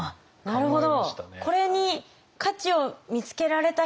なるほど。